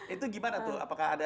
itu gimana tuh